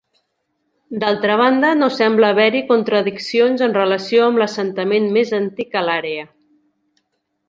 D'altra banda, no sembla haver-hi contradiccions en relació amb l'assentament més antic a l'àrea.